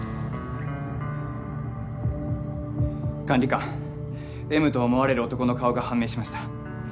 管理官Ｍと思われる男の顔が判明しました